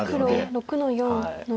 黒６の四ノビ。